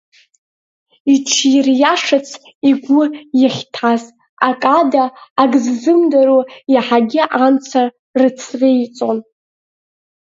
Иҽириашарц игәы иахьҭаз, ак ада ак ззымдыруаз иаҳагьы амца рыцреиҵон.